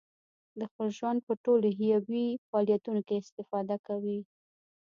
د خپل ژوند په ټولو حیوي فعالیتونو کې استفاده کوي.